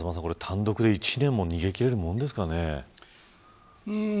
風間さん、単独で１年も逃げ切れるものなんですかね。